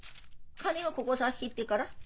金はここさ入ってっから。